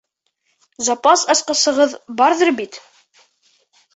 Запас асҡысығыҙ барҙыр бит!